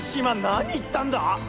何言ったんだぁ？